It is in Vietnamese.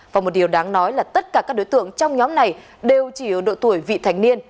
và một điều đáng nói là tất cả các đối tượng trong nhóm này đều chỉ ở độ tuổi vị thành niên